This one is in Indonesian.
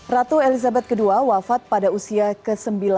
ratu elizabeth ii wafat pada usia ke sembilan belas